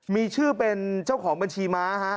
มีชื่อเป็นเจ้าของบัญชีม้าฮะ